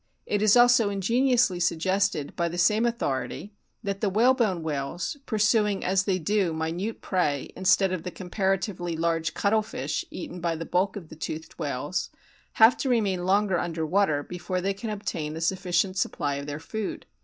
It is also in geniously suggested by the same authority that the whalebone whales, pursuing as they do minute prey instead of the comparatively large cuttlefish eaten by the bulk of the toothed whales, have to remain longer under water before they can obtain a sufficient supply of their food.